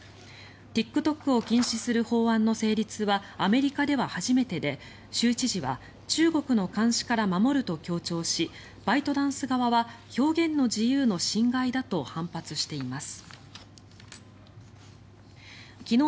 ＴｉｋＴｏｋを禁止する法案の成立はアメリカでは初めてで、州知事は中国の監視から守ると強調しバイトダンス側は表現の自由の侵害だと反発しています。